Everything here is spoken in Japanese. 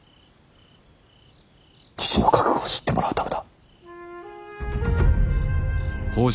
父の覚悟を知ってもらうためだ。